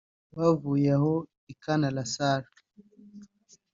Bavuye aho i Khan al-Assal